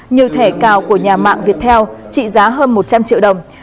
như thẻ cào của nhà mạng viettel trị giá hơn một trăm linh triệu đồng